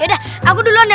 yaudah aku duluan ya